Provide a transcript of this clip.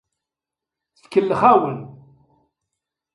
Tkellex-awen.